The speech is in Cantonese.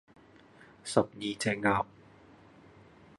十二隻鴨